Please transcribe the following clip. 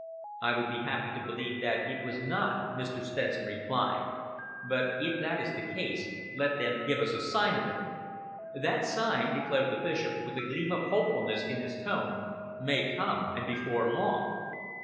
"I would be happy to believe that it was not," Mr. Stenson replied, "but if that is the case, let them give us a sign of it." "That sign," declared the Bishop, with a gleam of hopefulness in his tone, "may come, and before long."